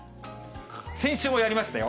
先週もやりましたよ。